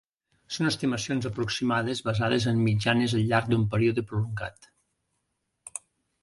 Són estimacions aproximades basades en mitjanes al llarg d'un període prolongat.